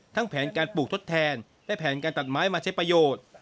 แผนการปลูกทดแทนและแผนการตัดไม้มาใช้ประโยชน์